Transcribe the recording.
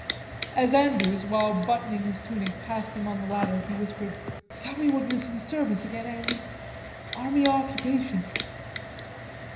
As Andrews, while buttoning his tunic, passed him on the ladder, he whispered: "Tell me we're going to see service again, Andy... Army o' Occupation."